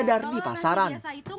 beredar di pasaran